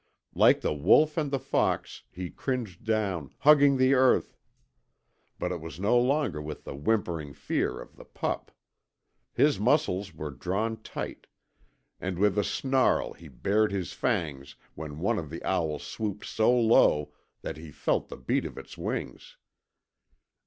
Like the wolf and the fox he cringed down, hugging the earth. But it was no longer with the whimpering fear of the pup. His muscles were drawn tight, and with a snarl he bared his fangs when one of the owls swooped so low that he felt the beat of its wings.